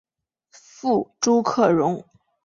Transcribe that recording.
父朱克融。